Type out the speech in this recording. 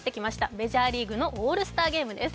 メジャーリーグのオールスターゲームです。